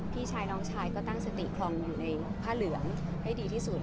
พี่ชายน้องชายก็ตั้งสติคลองอยู่ในผ้าเหลืองให้ดีที่สุด